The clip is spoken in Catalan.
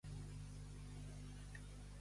Fer arròs amb gegants i «nanos».